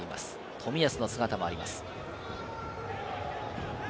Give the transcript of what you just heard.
冨安の姿もあります。